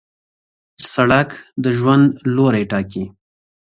سړک د ژوند لوری ټاکي.